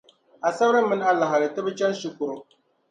Asibri mini Alahiri, ti bi chani shikuru.